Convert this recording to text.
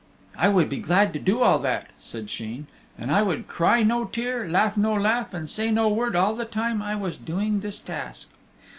"I would be glad to do all that," said Sheen, "and I would cry no tear, laugh no laugh, and say no word all the time I was doing this task."